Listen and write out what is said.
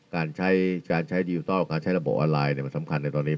การใช้ยูตอลการใช้ระบบออนไลน์เนี่ยมันสำคัญในตอนนี้